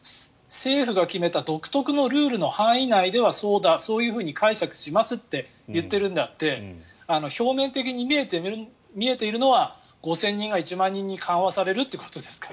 政府が決めた独特なルールの範囲内ではそういうふうに解釈しますって言っているのであって表面的に見えているのは５０００人が１万人に緩和されるということですから。